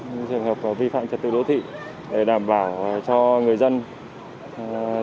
những trường hợp vi phạm trật tự đỗ thị để đảm bảo cho người dân du xuân năm mới được an toàn